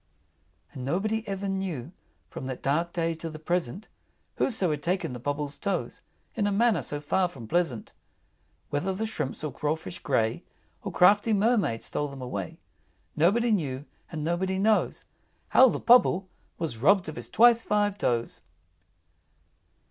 V. And nobody ever knew, From that dark day to the present, Whoso had taken the Pobble's toes, In a manner so far from pleasant. Whether the shrimps or crawfish gray, Or crafty Mermaids stole them away, Nobody knew; and nobody knows How the Pobble was robbed of his twice five toes!